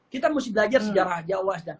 kita mesti belajar sejarah jawa